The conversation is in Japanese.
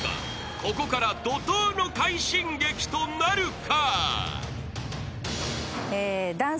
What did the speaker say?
ここから怒濤の快進撃となるか？］